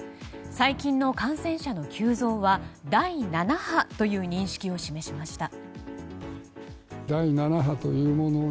最近の感染者の急増は第７波との認識を示しました。